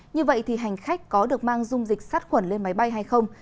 như vậy thì hành khách có được mang dung dịch sát khuẩn lên máy bay hay không